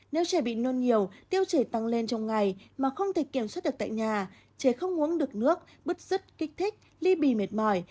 nếu trẻ bị nôn nhiều tiêu chảy tăng lên trong ngày mà không thể kiểm soát được tại nhà trẻ không uống được nước bứt rứt kích thích ly bì mệt mỏi